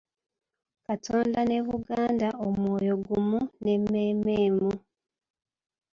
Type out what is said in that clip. Katonda ne Buganda omwoyo gumu n'emmeeme emu.